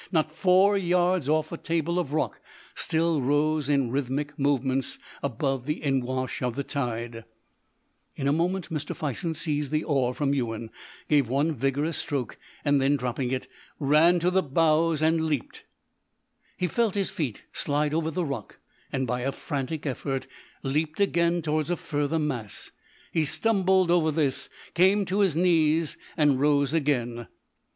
Not four yards off a table of rock still rose in rhythmic movements above the in wash of the tide. In a moment Mr. Fison seized the oar from Ewan, gave one vigorous stroke, then, dropping it, ran to the bows and leapt. He felt his feet slide over the rock, and, by a frantic effort, leapt again towards a further mass. He stumbled over this, came to his knees, and rose again.